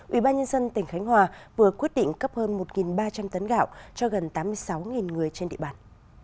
ubnd tỉnh khánh hòa vừa quyết định cấp hơn một ba trăm linh tấn gạo cho gần tám mươi sáu người trên địa bàn